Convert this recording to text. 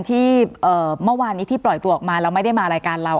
ที่เมื่อวานนี้ที่ปล่อยตัวออกมาแล้วไม่ได้มารายการเรา